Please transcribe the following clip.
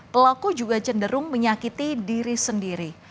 pelaku juga cenderung menyakiti diri sendiri